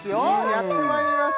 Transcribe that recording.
やってまいりました